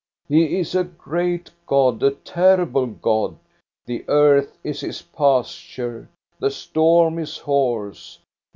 He is a great God, a terrible God. The earth is his pasture. The storm his horse.